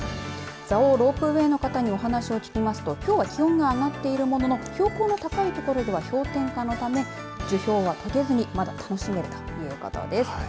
蔵王ロープウェイの方にお話を聞きますときょうは気温が上がっているものの標高が高い所では氷点下のため樹氷は溶けずにまだ楽しめるということです。